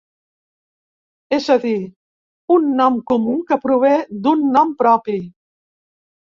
És a dir, un nom comú que prové d'un nom propi.